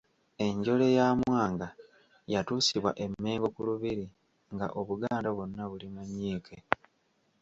Enjole ya Mwanga Yatuusibwa e Mmengo ku Lubiri nga Obuganda bwonna buli mu nnyiike.